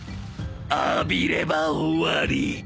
浴びれば終わり